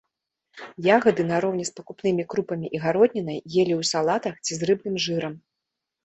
Ягады нароўні з пакупнымі крупамі і гароднінай елі ў салатах ці з рыбным жырам.